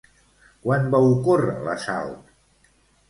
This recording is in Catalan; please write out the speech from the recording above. Quan va ocórrer l'assalt?